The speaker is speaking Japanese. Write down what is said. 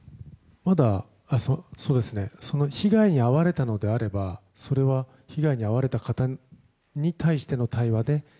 被害に遭われたのであればそれは、被害に遭われた方に対しての対話で。